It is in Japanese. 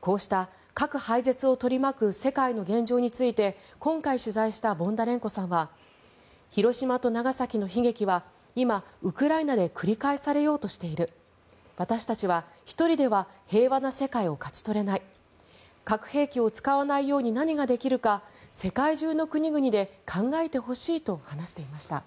こうした核廃絶を取り巻く世界の現状について今回取材したボンダレンコさんは広島と長崎の悲劇は今ウクライナで繰り返されようとしている私たちは１人では平和な世界を勝ち取れない核兵器を使わないように何ができるか世界中の国々で考えてほしいと話していました。